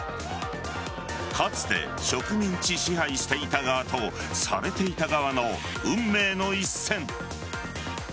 かつて植民地支配していた側とされていた側の運命の一戦。